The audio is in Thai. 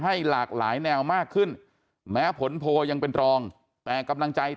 หลากหลายแนวมากขึ้นแม้ผลโพลยังเป็นรองแต่กำลังใจ